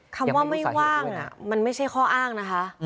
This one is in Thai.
คำว่าไม่ว่างมันไม่ใช่ข้ออ้างนะคะ